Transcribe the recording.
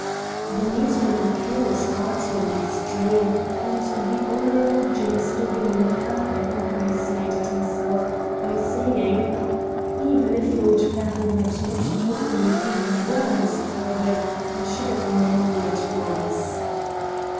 The meeting on the quay was hearty in the extreme, and the Honourable James Daubeney further ingratiated himself by saying: "Even if Lord Fairholme had not told me who you were, Miss Talbot, I should have known you at once."